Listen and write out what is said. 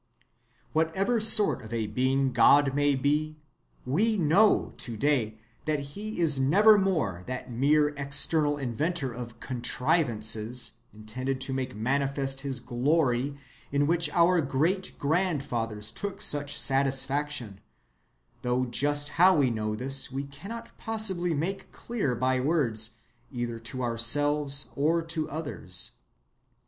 Whatever sort of a being God may be, we know to‐day that he is nevermore that mere external inventor of "contrivances" intended to make manifest his "glory" in which our great‐grandfathers took such satisfaction, though just how we know this we cannot possibly make clear by words either to others or to ourselves.